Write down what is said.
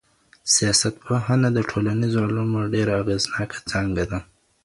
سياستپوهنه د ټولنيزو علومو ډېره اغېزناکه څانګه ده.